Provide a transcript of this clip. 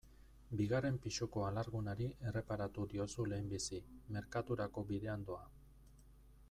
Bigarren pisuko alargunari erreparatu diozu lehenbizi, merkaturako bidean doa.